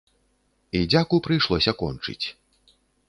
І дзяку прыйшлося кончыць.